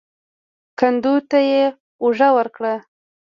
کندو ته يې اوږه ورکړه.